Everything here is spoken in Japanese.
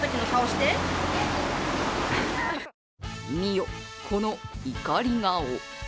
見よ、この怒り顔！